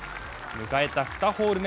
迎えた２ホール目。